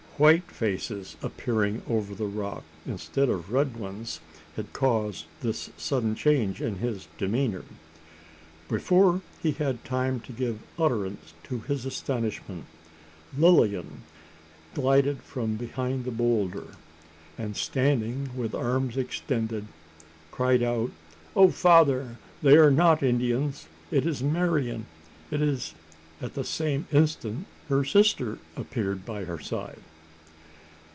White faces appearing over the rock instead of red ones, had caused this sudden change in his demeanour. Before he had time to give utterance to his astonishment, Lilian glided from behind the boulder, and standing with arms extended, cried out: "O father! they are not Indians! It is Marian! it is " At the same instant her sister appeared by her side.